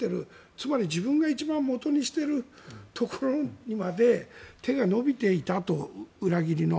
つまり、自分が一番もとにしているところにまで手が伸びていたと、裏切りの。